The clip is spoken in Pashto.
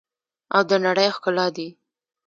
او د نړۍ ښکلا دي.